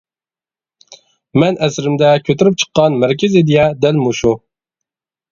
مەن ئەسىرىمدە كۆتۈرۈپ چىققان مەركىزى ئىدىيە دەل مۇشۇ.